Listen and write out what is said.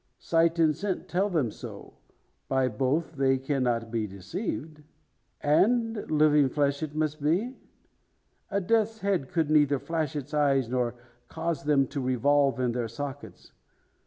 Sight and scent tell them so. By both they cannot be deceived. And living flesh it must be? A Death's head could neither flash its eyes, nor cause them to revolve in their sockets.